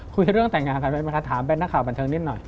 คุยเรื่องแต่งงานไปมั้ยคะถามแบบน้าข่าวบันเทิงนิดหน่อย